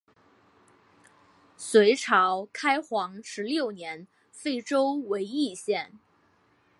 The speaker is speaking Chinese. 隋朝开皇十六年废州为易县。